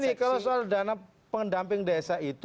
tapi kalau soal dana pendamping desa itu